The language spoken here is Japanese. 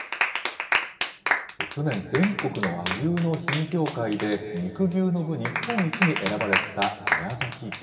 去年、全国の和牛の品評会で、肉牛の部・日本一に選ばれた、宮崎牛。